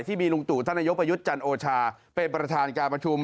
ที่มีลุงตู่ท่านนายกประยุทธ์จันโอชาเป็นประธานการประชุม